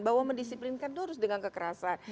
bahwa mendisiplinkan itu harus dengan kekerasan